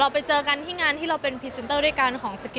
อ๋อเราไปเจอกันที่งานที่เราเป็นด้วยการของนะคะ